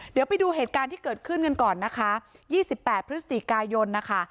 เดี๋ยวไปดูเหตุการณ์ที่เกิดขึ้นกันก่อนนะคะ๒๘พฤศจิกายนนะคะ